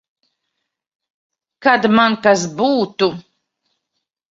Kad man kas būtu.